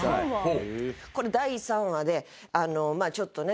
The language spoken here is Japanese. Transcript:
これ第３話でまあちょっとね